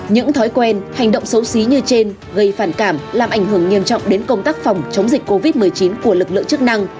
những thói quen hành động xấu xí như trên gây phản cảm làm ảnh hưởng nghiêm trọng đến công tác phòng chống dịch covid một mươi chín của lực lượng chức năng